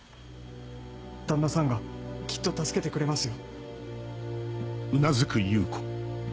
旦那さんがきっと助けてくれますよ。